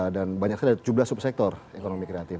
dan banyak sekali ada jumlah subsektor ekonomi kreatif